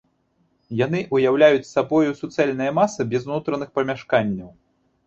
Яны ўяўляюць сабою суцэльныя масы без унутраных памяшканняў.